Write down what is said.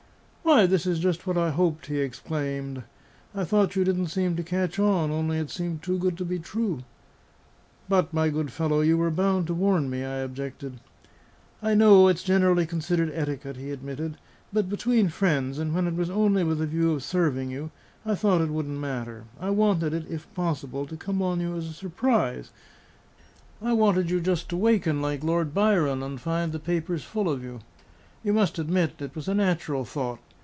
"Why, this is just what I hoped!" he exclaimed. "I thought you didn't seem to catch on; only it seemed too good to be true." "But, my good fellow, you were bound to warn me," I objected. "I know it's generally considered etiquette," he admitted; "but between friends, and when it was only with a view of serving you, I thought it wouldn't matter. I wanted it (if possible) to come on you as a surprise; I wanted you just to waken, like Lord Byron, and find the papers full of you. You must admit it was a natural thought.